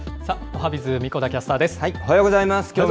さあ、おはＢｉｚ、おはようございます。